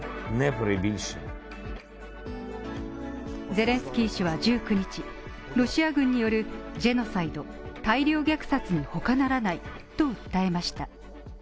ゼレンスキー氏は１９日、ロシア軍によるジェノサイド＝大量虐殺に他ならないと訴えました。